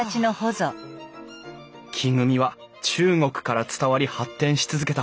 木組みは中国から伝わり発展し続けた。